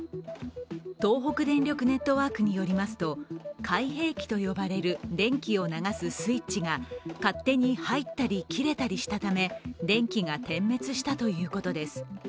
東北電力ネットワークによりますと開閉器と呼ばれる電気を流すスイッチが勝手に入ったり切れたりしたため、電気が点滅したということです。